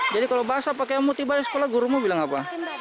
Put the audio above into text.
jadi kalau basah pakai multibar di sekolah gurumu bilang apa